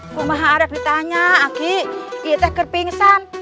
aku mah harap ditanya aki aku tuh pingsan